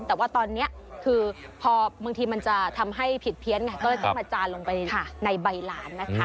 แต่ว่าตอนนี้พอบางทีมันจะทำให้ผิดเพี้ยนก็ต้องไปจานลงไปในใบร้าน